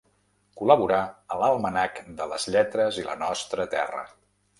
Col·laborà a l'Almanac de les Lletres i La Nostra Terra.